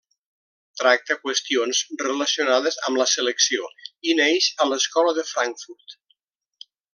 Tracta qüestions relacionades amb la selecció i neix a l’Escola de Frankfurt.